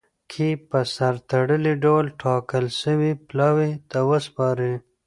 کي په سر تړلي ډول ټاکل سوي پلاوي ته وسپاري.